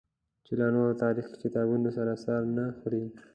چې له نورو تاریخي کتابونو سره سر نه خوري.